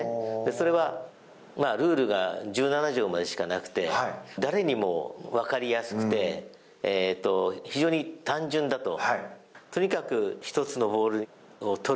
それはルールが１７条までしかなくて誰にもわかりやすくて非常に単純だと。